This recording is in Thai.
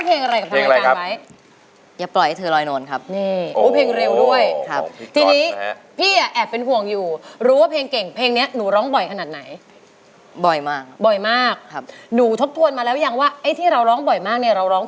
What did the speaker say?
ทำไมโชว์อย่าเสียง